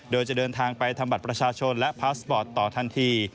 โดยจะเดินทางไปทำบัตรประชาชนและพาสปอร์ตต่อทันที